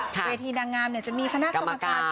ปกติเวทีดังงามเนี่ยจะมีคณะกรรมการ